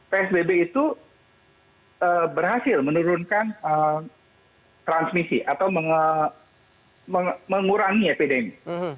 psbb itu berhasil menurunkan transmisi atau mengurangi epidemi